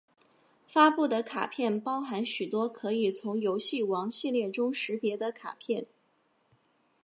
发布的卡片包含许多可以从游戏王系列中识别的卡片！